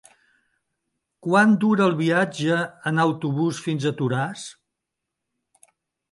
Quant dura el viatge en autobús fins a Toràs?